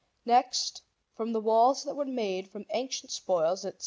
Next, from the walls that were made from ancient spoils at S.